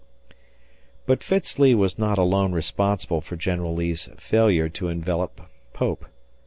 But Fitz Lee was not alone responsible for General Lee's failure to envelop Pope.